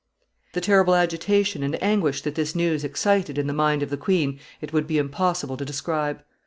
] The terrible agitation and anguish that this news excited in the mind of the queen it would be impossible to describe.